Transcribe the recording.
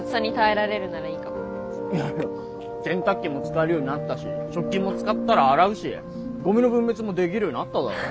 いや洗濯機も使えるようになったし食器も使ったら洗うしゴミの分別もできるようになっただろ。